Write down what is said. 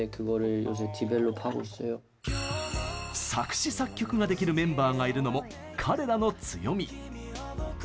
作詞・作曲ができるメンバーがいるのも彼らの強み。